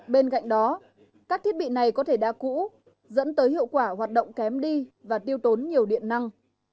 bên cạnh đó các thiết bị này có thể đã cũ dẫn tới hiệu quả hoạt động kém đi và tiêu tốn nhiều điện năng